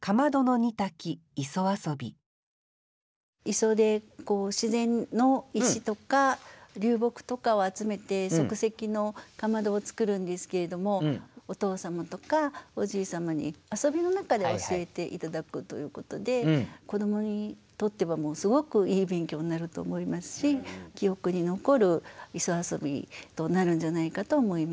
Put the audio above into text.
磯で自然の石とか流木とかを集めて即席の竈を作るんですけれどもお父様とかおじい様に遊びの中で教えて頂くということで子どもにとってはすごくいい勉強になると思いますし記憶に残る磯遊びとなるんじゃないかと思います。